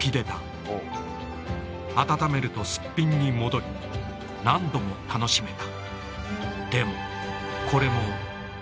温めるとすっぴんに戻り何度も楽しめた。